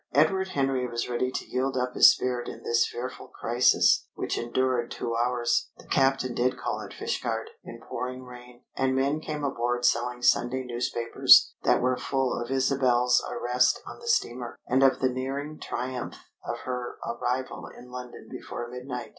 Edward Henry was ready to yield up his spirit in this fearful crisis, which endured two hours. The captain did call at Fishguard, in pouring rain, and men came aboard selling Sunday newspapers that were full of Isabel's arrest on the steamer, and of the nearing triumph of her arrival in London before midnight.